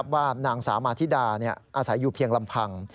ว่านางสาวมาธิดาอาศัยอยู่เพียงลำพัง